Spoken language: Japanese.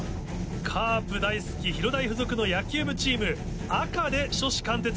カープ大好き広大附属の野球部チーム赤で初志貫徹。